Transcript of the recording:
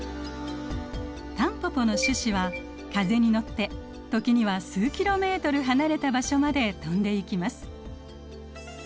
タンポポの種子は風に乗って時には数キロメートル離れた場所まで飛んでいきます。